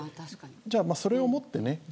じゃあ、それもってね